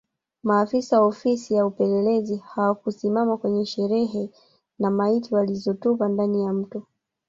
Maafisa wa Ofisi ya Upelelezi hawakusimama kwenye sherehe na maiti walizitupa ndani ya Mto